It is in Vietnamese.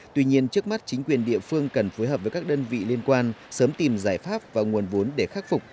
tuy nhiên trước mắt chính quyền địa phương cần phối hợp với các đơn vị liên quan sớm tìm giải pháp và nguồn vốn để khắc phục